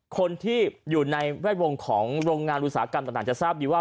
คนที่อยู่ในแวดวงของโรงงานอุตสาหกรรมต่างจะทราบดีว่า